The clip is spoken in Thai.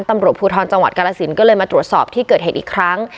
ตำรวจภูทรจังหวัดกาลสินก็เลยมาตรวจสอบที่เกิดเหตุอีกครั้ง